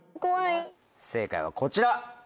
正解はこちら。